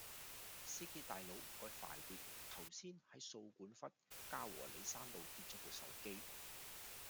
司機大佬唔該快啲，頭先喺掃管笏嘉和里山路跌左部手機